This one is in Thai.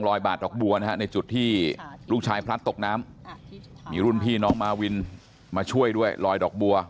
บาดดอกบัวนะฮะในจุดที่ลูกชายพลัดตกน้ำมีรุ่นพี่น้องมาวินมาช่วยด้วยลอยดอกบัว